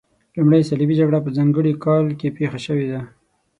لومړۍ صلیبي جګړه په ځانګړي کال کې پیښه شوې ده.